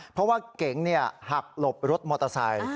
เพราะว่าเก๋งหักหลบรถมอเตอร์ไซค์